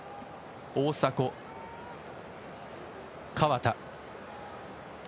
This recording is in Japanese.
大迫、河田。